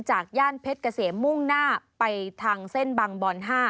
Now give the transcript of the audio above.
ย่านเพชรเกษมมุ่งหน้าไปทางเส้นบางบอน๕